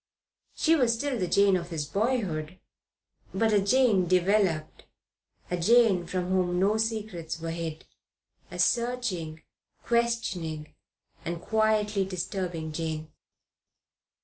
She was still the Jane of his boyhood, but a Jane developed, a Jane from whom no secrets were hid, a searching, questioning and quietly disturbing Jane.